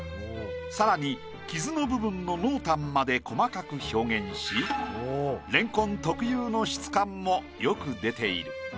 更に傷の部分の濃淡まで細かく表現しレンコン特有の質感もよく出ている。